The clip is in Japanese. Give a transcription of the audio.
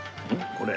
これ？